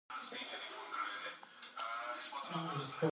که هغوی مرسته ترلاسه نکړي نو حالت به خراب شي.